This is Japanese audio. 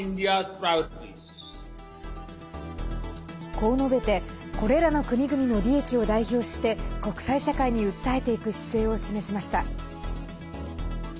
こう述べてこれらの国々の利益を代表して国際社会に訴えていく姿勢を示しました。